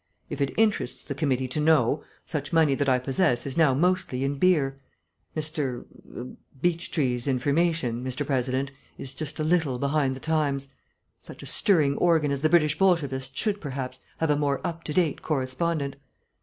If it interests the committee to know, such money that I possess is now mostly in beer. Mr. er Beechtree's information, Mr. President, is just a little behind the times. Such a stirring organ as the British Bolshevist should, perhaps, have a more up to date correspondent.